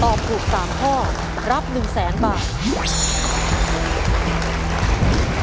ตอบถูก๓ข้อรับ๑แสนบาท